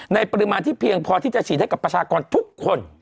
ปริมาณที่เพียงพอที่จะฉีดให้กับประชากรทุกคน